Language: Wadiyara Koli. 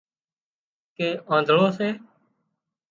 ڪي آنڌۯو سي